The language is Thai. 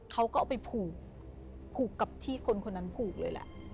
เขาก็เอาไปผูกผูกกับที่คนคนนั้นผูกเลยแหละ